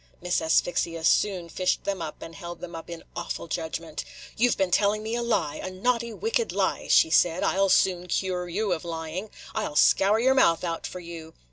Miss Asphyxia soon fished them up, and held them up in awful judgment. "You 've been telling me a lie, – a naughty, wicked lie," she said. "I 'll soon cure you of lying. I 'll scour your mouth out for you."